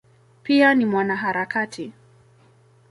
Pia ni mwanaharakati.